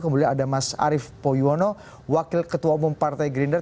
kemudian ada mas arief poyono wakil ketua umum partai gerindra